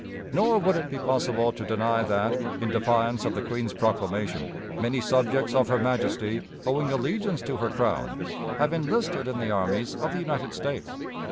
Nor would it be possible to deny that, in defiance of the Queen's proclamation, many subjects of her Majesty, owing allegiance to her crown, have enlisted in the armies of the United States.